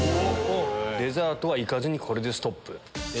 デザートはいかずにこれでストップ。